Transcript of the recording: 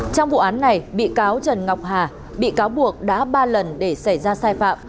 trong vụ án này bị cáo trần ngọc hà bị cáo buộc đã ba lần để xảy ra sai phạm